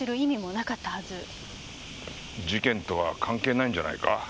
事件とは関係ないんじゃないか？